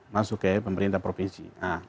langsung ke pemerintah provinsi